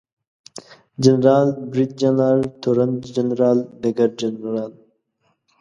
جنرال، بریدجنرال، تورن جنرال ، ډګرجنرال